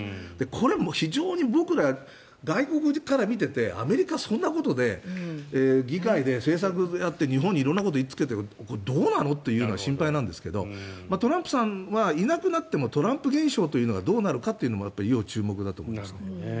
これ、非常に僕ら、外国から見ていてアメリカはそんなことで議会で政策をやって日本に色んなことを言いつけてどうなの？という心配なんですがトランプさんはいなくなってもトランプ現象っていうのがどうなるかというのは要注目だと思います。